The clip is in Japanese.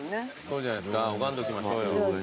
そうじゃないですか拝んどきましょうよ。